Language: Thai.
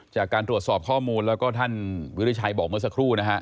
จากการตรวจสอบข้อมูลแล้วก็ท่านวิริชัยบอกเมื่อสักครู่นะฮะ